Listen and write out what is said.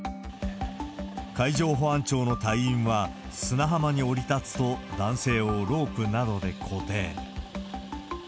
海上保安庁の隊員は、砂浜に降り立つと、男性をロープなどで固定。